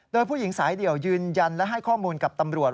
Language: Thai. โดยผู้หญิงสายเดี่ยวยืนยันและให้ข้อมูลกับตำรวจ